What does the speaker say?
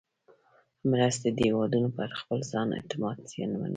مرستې د هېوادونو پر خپل ځان اعتماد زیانمنوي.